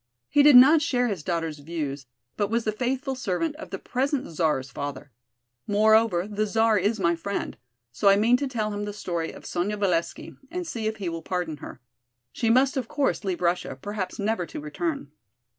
He did not share his daughter's views, but was the faithful servant of the present Czar's father. Moreover, the Czar is my friend, so I mean to tell him the story of Sonya Valesky and see if he will pardon her. She must, of course, leave Russia, perhaps never to return."